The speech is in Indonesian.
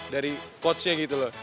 dari coachnya gitu loh